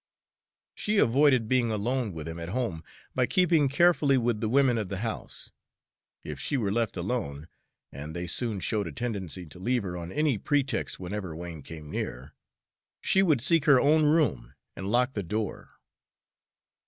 She avoided being alone with him at home by keeping carefully with the women of the house. If she were left alone, and they soon showed a tendency to leave her on any pretext whenever Wain came near, she would seek her own room and lock the door.